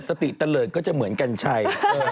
สติตลิดก็จะเหมือนกันใช่